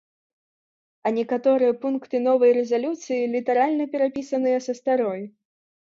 А некаторыя пункты новай рэзалюцыі літаральна перапісаныя са старой.